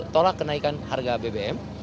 tolak kenaikan harga bbm